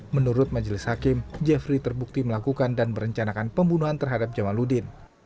menurut majelis hakim jeffrey terbukti melakukan dan merencanakan pembunuhan terhadap jamaludin